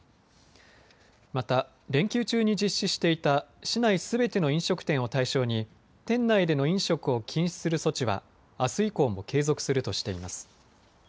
また連休中に実施していた市内すべての飲食店を対象に店内での飲食を禁止する措置はあす以降も継続するとしています。